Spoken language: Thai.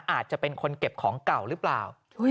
อาจจะเป็นคนเก็บของเก่าหรือเปล่า